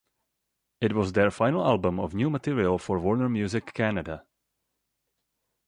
It was their final album of new material for Warner Music Canada.